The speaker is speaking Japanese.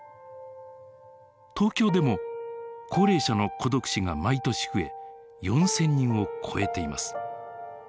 東京でも高齢者の孤独死が毎年増え４，０００人を超えています。